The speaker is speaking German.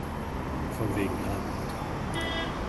Von wegen Rabenmutter!